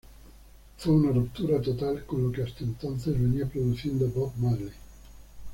Fue una ruptura total con lo que hasta entonces venía produciendo Bob Marley.